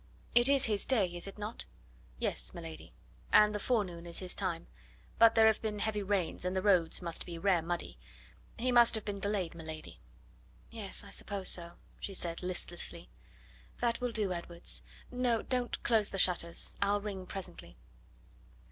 "It is his day, is it not?" "Yes, m'lady. And the forenoon is his time. But there have been heavy rains, and the roads must be rare muddy. He must have been delayed, m'lady." "Yes, I suppose so," she said listlessly. "That will do, Edwards. No, don't close the shutters. I'll ring presently."